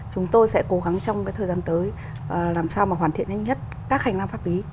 chúng tôi sẽ cố gắng trong thời gian tới làm sao mà hoàn thiện nhanh nhất các hành lang pháp lý